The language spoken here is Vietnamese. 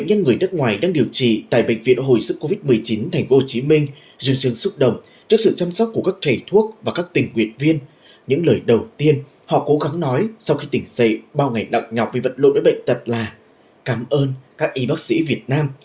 hãy đăng ký kênh để ủng hộ kênh của chúng mình nhé